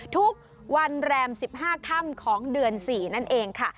ทุกวันแรม๑๕ค่ำของเดือน๔นั่นเองค่ะ